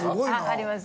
あります。